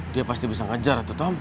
dia pasti bisa ngejar ya itu tom